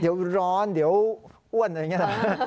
เดี๋ยวร้อนเดี๋ยวอ้วนอะไรอย่างนี้นะ